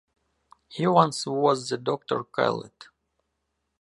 Evans was the doctor called.